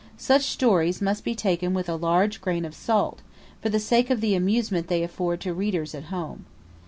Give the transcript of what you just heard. Such stories must be taken with a large grain of salt, for the sake of the amusement they afford to readers at home.